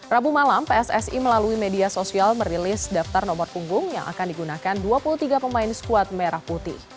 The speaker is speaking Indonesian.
rabu malam pssi melalui media sosial merilis daftar nomor punggung yang akan digunakan dua puluh tiga pemain squad merah putih